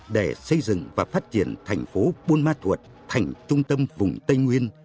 để xây dựng và phát triển thành phố buôn ma thuột thành trung tâm vùng tây nguyên